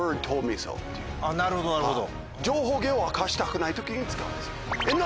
なるほどなるほど。